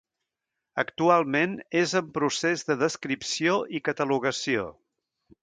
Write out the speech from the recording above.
Actualment és en procés de descripció i catalogació.